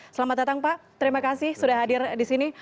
selamat datang pak terima kasih sudah hadir di sini